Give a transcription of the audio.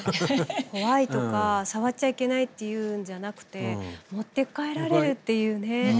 怖いとか触っちゃいけないっていうんじゃなくて持って帰られるというね。